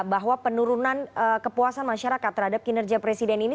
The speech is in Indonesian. bahwa penurunan kepuasan masyarakat terhadap kinerja presiden ini